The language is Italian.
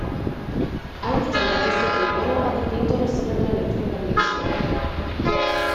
Anche Giambattista Tiepolo ha dipinto la storia della ninfa Callisto.